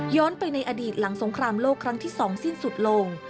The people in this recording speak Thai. ไปในอดีตหลังสงครามโลกครั้งที่๒สิ้นสุดลง